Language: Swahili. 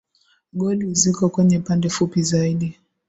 Goli ziko kwenye pande fupi zaidi